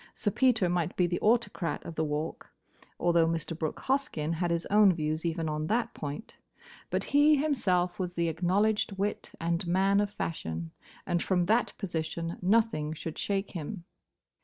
Sir Peter might be the autocrat of the Walk, although Mr. Brooke Hoskyn had his own views even on that point; but he himself was the acknowledged wit and man of fashion, and from that position nothing should shake him.